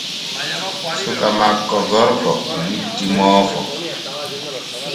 Suka makko gorko witti moofo.